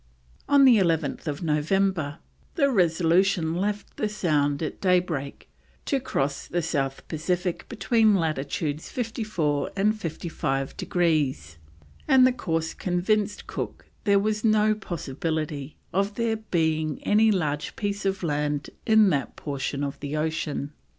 On 11th November the Resolution left the Sound at daybreak to cross the South Pacific between latitudes 54 and 55 degrees, and the course convinced Cook there was no possibility of there being any large piece of land in that portion of the ocean.